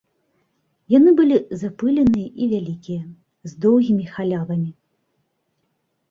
Яны былі запыленыя і вялікія, з доўгімі халявамі.